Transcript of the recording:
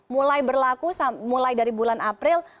mulai berlaku mulai dari bulan april